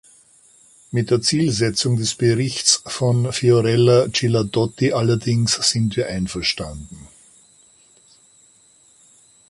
Mit der Zielsetzung des Berichtes von Fiorella Ghilardotti allerdings sind wir einverstanden.